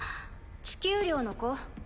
地球寮の子？